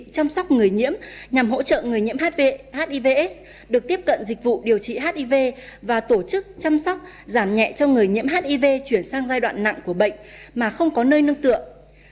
chăm sóc người nhiễm nhằm hỗ trợ người nhiễm hiv aids được tiếp cận dịch vụ điều trị hiv và tổ chức chăm sóc giảm nhẹ cho người nhiễm hiv chuyển sang giai đoạn nặng của bệnh mà không có nơi nâng tượng